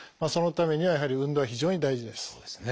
そのためにはやはり運動は非常に大事です。